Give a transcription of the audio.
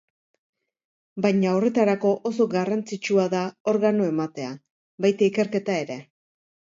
Baina, horretarako, oso garrantzitsua da organo-ematea, baita ikerketa ere.